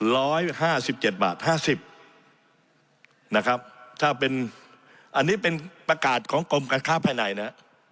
ร้อยห้าสิบเจ็ดบาทห้าสิบนะครับถ้าเป็นอันนี้เป็นประกาศของกรมการค้าภายในนะ